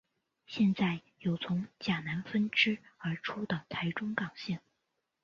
现在有从甲南分歧而出的台中港线。